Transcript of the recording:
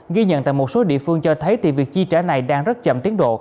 ghi nhận tại một số địa phương cho thấy thì việc chi trả này đang rất chậm tiến độ